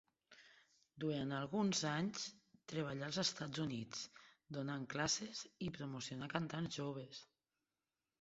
Durant alguns anys treballà als Estats Units donant classes i promocionà cantants joves.